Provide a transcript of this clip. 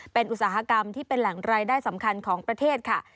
เป็นอุตสาหกรรมที่เป็นแหล่งรายได้สำคัญของประเทศค่ะ